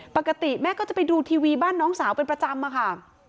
ปกติแม่ก็จะไปดูทีวีบ้านน้องสาวเป็นประจำอะค่ะ